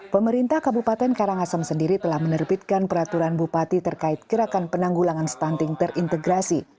pemerintah kabupaten karangasem sendiri telah menerbitkan peraturan bupati terkait gerakan penanggulangan stunting terintegrasi